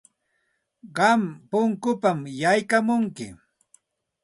Qam punkunpam yaykamunki.